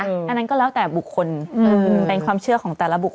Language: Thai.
อันนั้นก็แล้วแต่บุคคลเป็นความเชื่อของแต่ละบุค